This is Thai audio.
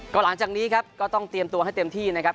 ก็หลังจากนี้ครับก็ต้องเตรียมตัวให้เต็มที่นะครับ